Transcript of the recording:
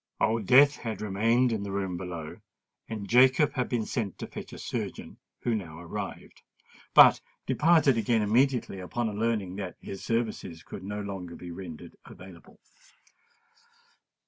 Old Death had remained in the room below; and Jacob had been sent to fetch a surgeon, who now arrived, but departed again immediately upon learning that his services could no longer be rendered available.